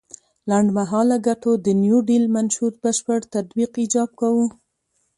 لنډ مهاله ګټو د نیوډیل منشور بشپړ تطبیق ایجاب کاوه.